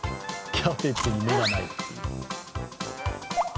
キャベツに目がない。